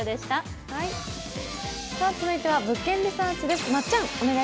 続いては「物件リサーチ」です。